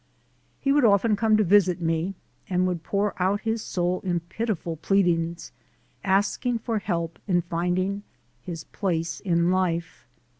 He would often come to visit me, and would pour out his soul in pitiful pleadings, asking for help in finding his place in life.